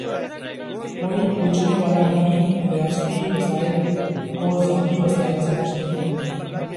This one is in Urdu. کوئی پوچھنے والا نہیں، ریاستی وسائل کوذاتی وسائل سمجھتے ہیں۔